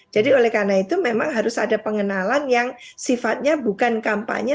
jadi oleh karena itu memang harus ada pengenalan yang sifatnya bukan kampanye